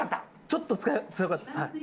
ちょっと強かったですはい。